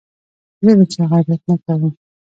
زه د چا غیبت نه کوم.